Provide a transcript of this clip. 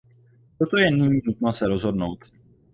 Proto je nyní nutno se rozhodnout.